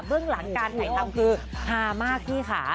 เรื่องหลังการถ่ายทำคือฮามากพี่ค่ะ